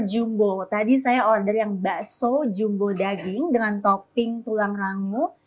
jumbo tadi saya order yang bakso jumbo daging dengan topping tulang rangu